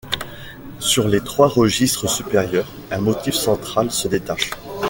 Sur les trois registres supérieurs, un motif central se détache.